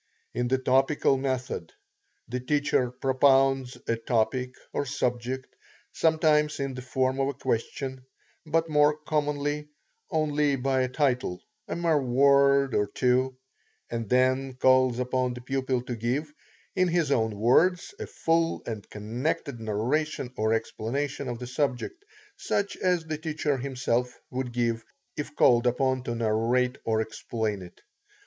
In the topical method, the teacher propounds a topic or subject, sometimes in the form of a question, but more commonly only by a title, a mere word or two, and then calls upon the pupil to give, in his own words, a full and connected narration or explanation of the subject, such as the teacher himself would give, if called upon to narrate or explain it.